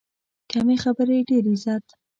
کمې خبرې، ډېر عزت.